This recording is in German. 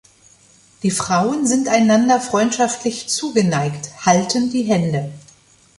Die Frauen sind einander freundschaftlich zugeneigt, halten die Hände.